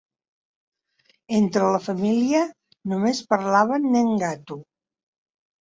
Entre la família, només parlaven nheengatu.